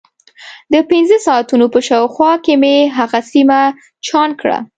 د پنځه ساعتونو په شاوخوا کې مې هغه سیمه چاڼ کړه.